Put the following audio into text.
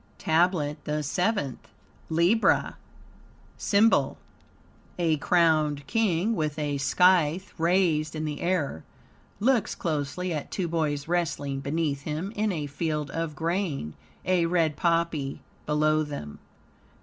TABLET THE SEVENTH Libra SYMBOL A crowned king, with a scythe raised in the air, looks closely at two boys wrestling beneath him in a field of grain, a red poppy below them.